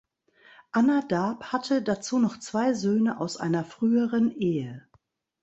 Anna Daab hatte dazu noch zwei Söhne aus einer früheren Ehe.